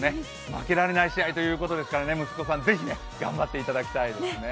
負けられない試合ということですからね、息子さんぜひ頑張っていただきたいですね。